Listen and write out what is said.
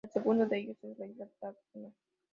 El segundo de ellos es la Isla Tacna.